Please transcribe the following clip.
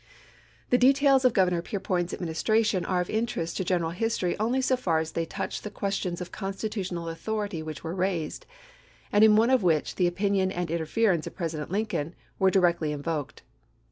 The details of Governor Peirpoint's administra tion are of interest to general history only so far as they touch the questions of constitutional authority which were raised, and in one of which the opinion and interference of President Lincoln were directly invoked.